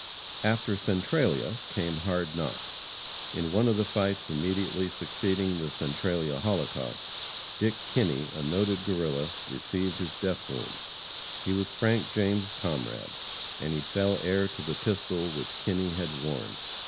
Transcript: After Centralia came hard knocks. In one of the fights immediately succeeding the Centralia holocaust, Dick Kinney, a noted Guerrilla, received his death wound. He was Frank James' comrade, and he fell heir to the pistol which Kinney had worn.